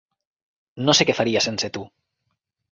No sé què faria sense tu.